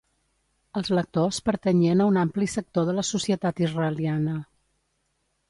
Els lectors pertanyien a un ampli sector de la societat israeliana.